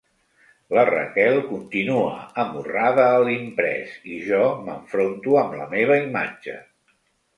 La Raquel continua amorrada a l'imprès i jo m'enfronto amb la meva imatge.